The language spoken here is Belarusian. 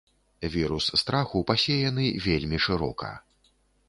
Вірус страху пасеяны вельмі шырока.